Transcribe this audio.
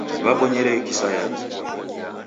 Wabonyere kisayaki?